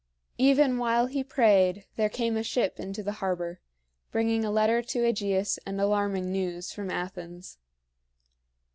Even while he prayed there came a ship into the harbor, bringing a letter to AEgeus and alarming news from Athens.